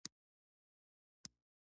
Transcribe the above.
دا ښار پر نولس غونډیو او وچو منظرو ودان دی.